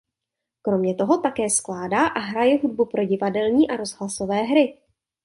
Kromě toho také skládá a hraje hudbu pro divadelní a rozhlasové hry.